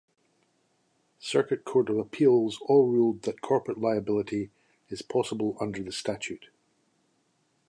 Circuit Court of Appeals all ruled that corporate liability is possible under the statute.